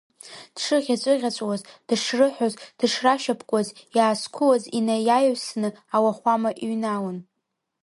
Дшыӷьаҵәыӷьаҵәуаз, дышрыҳәоз, дышрашьапкуаз, иаазқәылаз, инаиаҩысны ауахәама иҩналон.